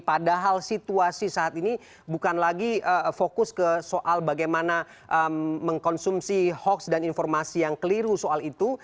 padahal situasi saat ini bukan lagi fokus ke soal bagaimana mengkonsumsi hoax dan informasi yang keliru soal itu